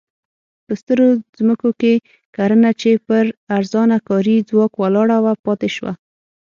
په سترو ځمکو کې کرنه چې پر ارزانه کاري ځواک ولاړه وه پاتې شوه.